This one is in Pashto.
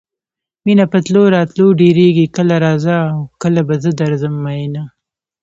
مینه په تلو راتلو ډېرېږي کله راځه او کله به زه درځم میینه.